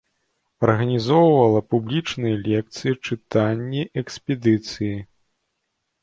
Арганізоўвала публічная лекцыі, чытанні, экспедыцыі.